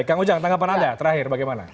kang ujang tanggapan anda terakhir bagaimana